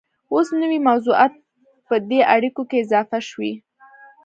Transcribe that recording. اوس نوي موضوعات په دې اړیکو کې اضافه شوي